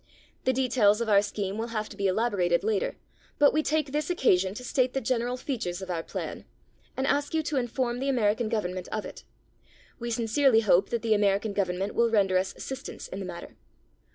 The details of our scheme will have to be elaborated later, but we take this occasion to state the general features of our plan, and ask you to inform the American Government of it. We sincerely hope that the American Government will render us assistance in the matter.